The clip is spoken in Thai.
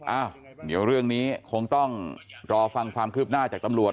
อ้าวเดี๋ยวเรื่องนี้คงต้องรอฟังความคืบหน้าจากตำรวจ